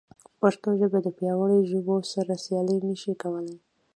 پښتو ژبه د پیاوړو ژبو سره سیالي نه شي کولی.